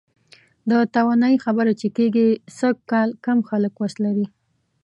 د توانایي خبره چې کېږي، سږکال کم خلک وس لري.